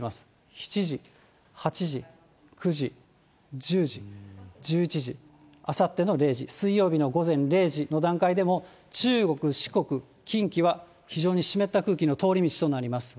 ７時、８時、９時、１０時、１１時、あさっての０時、水曜日の午前０時の段階でも、中国、四国、近畿は非常に湿った空気の通り道となります。